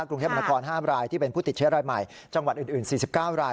กรุงเทพมนคร๕รายที่เป็นผู้ติดเชื้อรายใหม่จังหวัดอื่น๔๙ราย